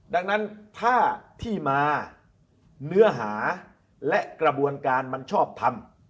ดังนั้นถ้าที่มาเนื้อหาและกระบวนการมันชอบทำ